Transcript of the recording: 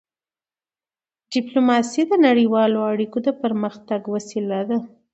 ډیپلوماسي د نړیوالو اړیکو د پرمختګ وسیله ده.